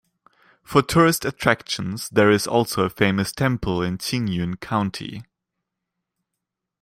For tourist attractions, there is also a famous temple in Qingyun County.